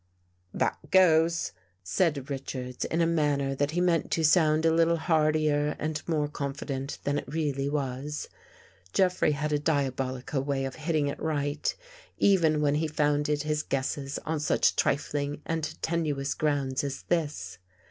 " That goes," said Richards in a manner that he meant to sound a little heartier and more confident than it really was. Jeffrey had a diabolical way of hitting it right, even when he founded his guesses on such trifling and tenuoqs grounds as this.